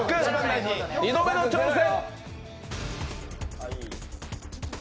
２度目の挑戦。